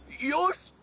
よし！